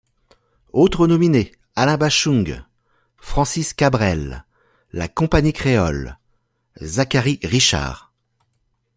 Autres nominés: Alain Bashung, Francis Cabrel, La Compagnie créole, Zachary Richard.